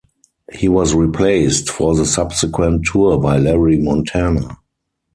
He was replaced for the subsequent tour by Larry Montana.